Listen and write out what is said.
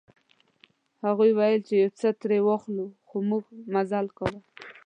هغوی ویل چې یو څه ترې واخلو خو موږ مزل کاوه.